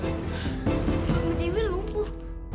kamu dewi lumpuh